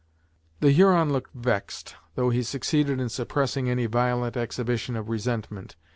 The Huron looked vexed, though he succeeded in suppressing any violent exhibition of resentment.